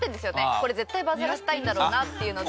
これ絶対バズらせたいんだろうなっていうので。